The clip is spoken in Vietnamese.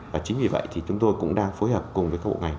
và chính vì vậy thì chúng tôi cũng đang phối hợp cùng với các bộ ngành